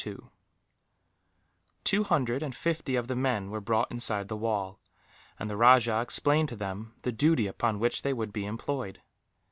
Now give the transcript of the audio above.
Two hundred and fifty of the men were brought inside the wall, and the rajah explained to them the duty upon which they would be employed.